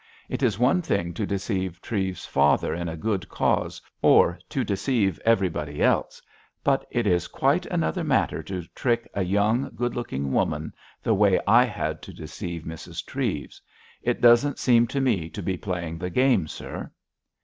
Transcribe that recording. It is one thing to deceive Treves's father in a good cause, or to deceive everybody else, but it is quite another matter to trick a young, good looking woman the way I had to deceive Mrs. Treves. It doesn't seem to me to be playing the game, sir."